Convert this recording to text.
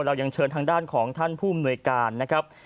เรายังเชิญทางด้านของท่านผู้อำนวยการนะครับ